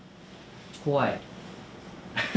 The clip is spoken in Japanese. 怖い。